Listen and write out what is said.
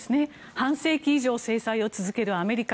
半世紀以上制裁を続けるアメリカ。